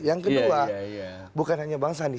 yang kedua bukan hanya bang sandi